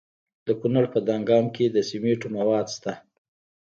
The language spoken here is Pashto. د کونړ په دانګام کې د سمنټو مواد شته.